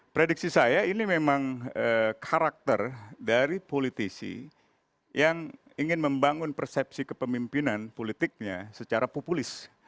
prediksi saya ini memang karakter dari politisi yang ingin membangun persepsi kepemimpinan politiknya secara populis